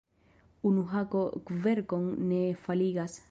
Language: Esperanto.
Unu hako kverkon ne faligas.